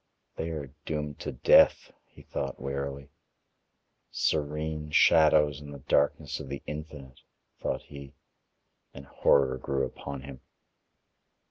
"They are doomed to death," he thought wearily. "Serene shadows in the darkness of the Infinite," thought he, and horror grew upon him.